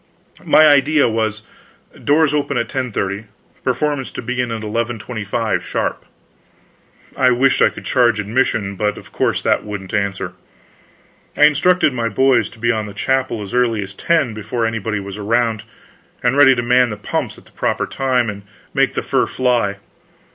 My idea was, doors open at 10:30, performance to begin at 11:25 sharp. I wished I could charge admission, but of course that wouldn't answer. I instructed my boys to be in the chapel as early as 10, before anybody was around, and be ready to man the pumps at the proper time, and make the fur fly.